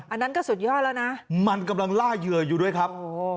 อันนั้นก็สุดยอดแล้วนะมันกำลังล่าเหยื่ออยู่ด้วยครับ